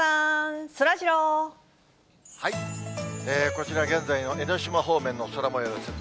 こちら、現在の江の島方面の空もようです。